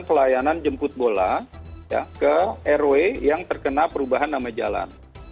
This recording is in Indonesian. perubahan nama jalan